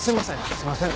すいません。